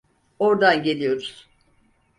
Ordan geliyoruz!